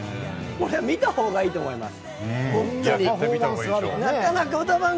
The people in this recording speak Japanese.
これは見た方がいいと思います。